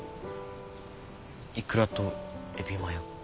いくらとエビマヨ。